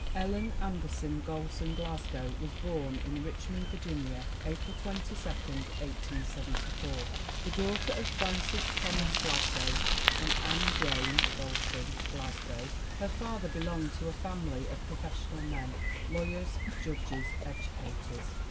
Ellen Anderson Gholson Glasgow was born in Richmond, Virginia, April 22, 1874, the daughter of Francis Thomas Glasgow and Anne Jane (Gholson) Glasgow. Her father belonged to a family of pro fessional men lawyers, judges, educators.